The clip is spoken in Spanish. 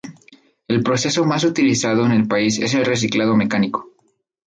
El proceso más utilizado en el país es el reciclado mecánico.